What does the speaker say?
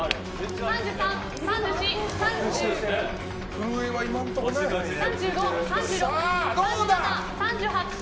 震えは今のところないですかね。